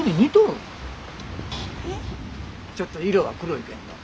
ちょっと色は黒いけんど。